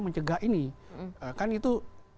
mencegah ini kan itu